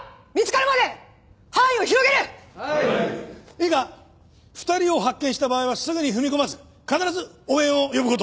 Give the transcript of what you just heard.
いいか２人を発見した場合はすぐに踏み込まず必ず応援を呼ぶ事。